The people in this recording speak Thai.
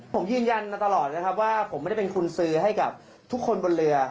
ผมยืนยันมาตลอดนะครับว่าผมไม่ได้เป็นคุณซื้อให้กับทุกคนบนเรือ